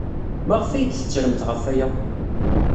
Maɣef ay d-tettremt ɣef waya?